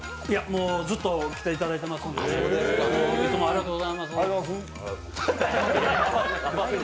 もうずっと来ていただいていますのでいつもありがとうございます。